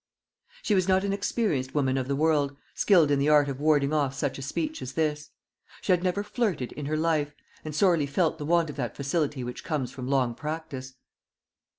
She was not an experienced woman of the world, skilled in the art of warding off such a speech as this. She had never flirted in her life, and sorely felt the want of that facility which comes from long practice.